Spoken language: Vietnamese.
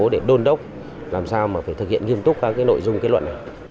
để đôn đốc làm sao mà phải thực hiện nghiêm túc các nội dung kết luận này